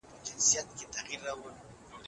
آیا موږ باید له ګډوډۍ لاس واخلو؟